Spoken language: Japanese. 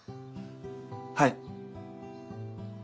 はい。